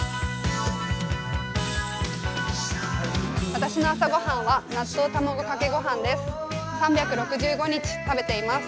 私の朝ご飯は納豆卵かけ御飯です。